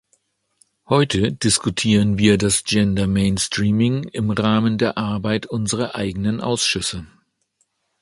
Heute diskutieren wir das Gender Mainstreaming im Rahmen der Arbeit unserer eigenen Ausschüsse.